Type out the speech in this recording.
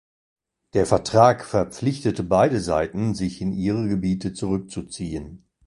Der Vertrag verpflichtete beide Seiten, sich in ihre Gebiete zurückzuziehen.